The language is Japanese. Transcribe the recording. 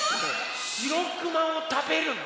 しろくまをたべるの？